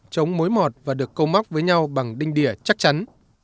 chống mối mọt và được câu móc với nhau bằng đinh đỉa chắc chắn